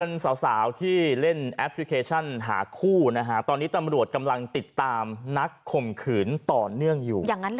เป็นสาวที่เล่นแอปพลิเคชันหาคู่นะฮะตอนนี้ตำรวจกำลังติดตามนักข่มขืนต่อเนื่องอยู่